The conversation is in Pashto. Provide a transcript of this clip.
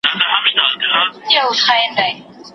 هغه په نوو تورو پسې ګرځېده.